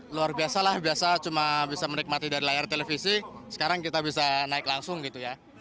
luar biasa lah biasa cuma bisa menikmati dari layar televisi sekarang kita bisa naik langsung gitu ya